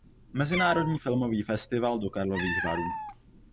Mezinárodní filmový festival do Karlových Varů.